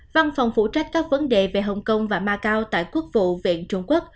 văn phòng phụ trách các vấn đề về hồng kông và macau tại quốc vụ viện trung quốc